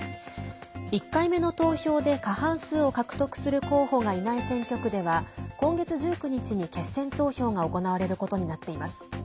１回目の投票で過半数を獲得する候補がいない選挙区では今月１９日に決選投票が行われることになっています。